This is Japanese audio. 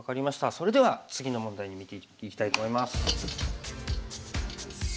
それでは次の問題にいきたいと思います。